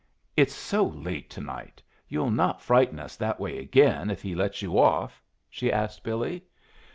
It's so late to night! You'll not frighten us that way again if he lets you off?" she asked Billy.